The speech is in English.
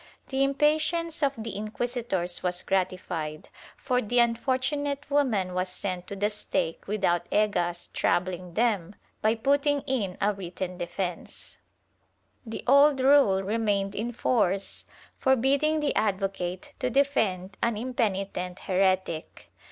The impatience of the inquisitors was gratified, for the unfortunate woman was sent to the stake without Egas troubling them by putting in a written defence/ The old rule remained in force forbidding the advocate to defend an impenitent heretic.